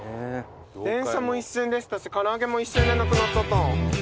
電車も一瞬でしたし唐揚げも一瞬でなくなっちゃった。